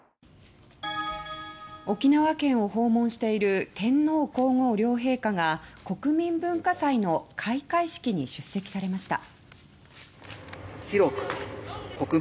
沖縄県を訪問している天皇・皇后両陛下が国民文化祭の開会式に出席されました。